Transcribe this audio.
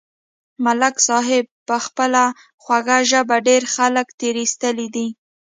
ملک صاحب په خپله خوږه ژبه ډېر خلک تېر ایستلي دي.